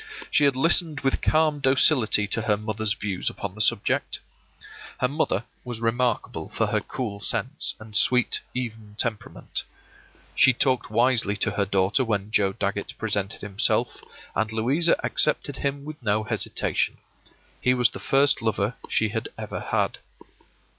She had listened with calm docility to her mother's views upon the subject. Her mother was remarkable for her cool sense and sweet, even temperament. She talked wisely to her daughter when Joe Dagget presented himself, and Louisa accepted him with no hesitation. He was the first lover she had ever had.